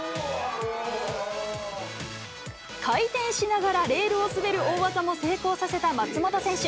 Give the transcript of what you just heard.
回転しながらレールを滑る大技も成功させた松本選手。